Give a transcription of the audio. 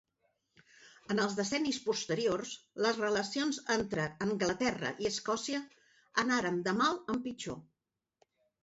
En els decennis posteriors les relacions entre Anglaterra i Escòcia anaren de mal en pitjor.